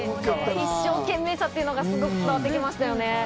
一生懸命さがすごく伝わってきましたね。